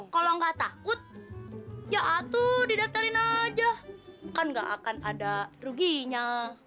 kalau nggak takut ya atur didaftarin aja kan nggak akan ada ruginya